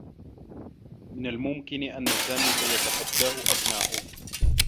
من الممكن أنّ سامي سيتحدّاه أبناؤه.